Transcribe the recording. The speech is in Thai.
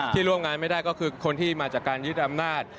ร่วมงานไม่ได้ก็คือคนที่มาจากการยึดอำนาจ